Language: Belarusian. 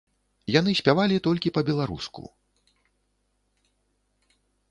Яны спявалі толькі па-беларуску.